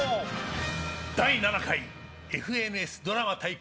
第７回ＦＮＳドラマ対抗